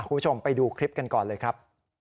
คุณผู้ชมไปดูคลิปกันก่อนเลยครับ